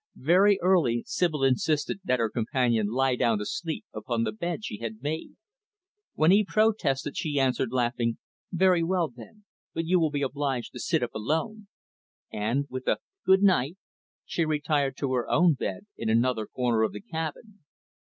Very early, Sibyl insisted that her companion lie down to sleep upon the bed she had made. When he protested, she answered, laughing, "Very well, then, but you will be obliged to sit up alone," and, with a "Good night," she retired to her own bed in another corner of the cabin.